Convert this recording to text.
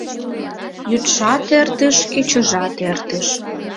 Йӱдшат эртыш, кечыжат эртыш —